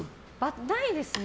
ないですね。